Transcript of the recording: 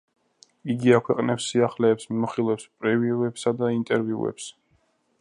იგი აქვეყნებს სიახლეებს, მიმოხილვებს, პრევიუებსა და ინტერვიუებს.